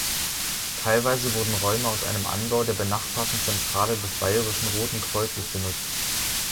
Teilweise wurden Räume aus einem Anbau der benachbarten Zentrale des Bayerischen Roten Kreuzes benutzt.